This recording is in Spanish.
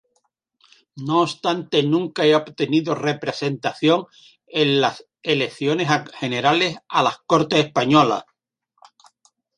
No obstante, nunca ha obtenido representación en las elecciones generales a las Cortes españolas.